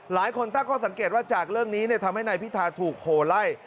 หลายคนตั้งข้อสังเกตว่าจากเรื่องนี้ทำให้นายพิธาถูกโหไล่